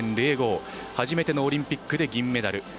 初めてのオリンピックで銀メダル。